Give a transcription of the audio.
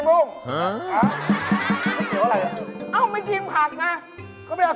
ช่วงนั้นเลยส่วนพลาณกับเป็นผู้ร้ายที่จริง